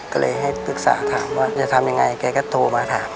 ก็เลยให้ปรึกษาถามว่าจะทำยังไงแกก็โทรมาถาม